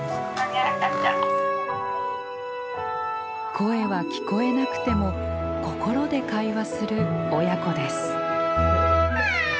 声は聞こえなくても心で会話する親子です。